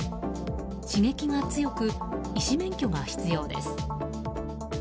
刺激が強く、医師免許が必要です。